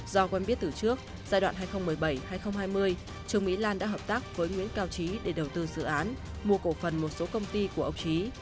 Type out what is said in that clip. do quen biết từ trước giai đoạn hai nghìn một mươi bảy hai nghìn hai mươi trương mỹ lan đã hợp tác với nguyễn cao trí để đầu tư dự án mua cổ phần một số công ty của ông trí